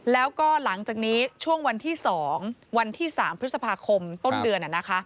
แล้วก็หลังจากนี้ช่วงวันที่๒วันที่๓พฤษภาคมต้นเดือน